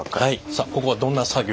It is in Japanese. さあここはどんな作業を？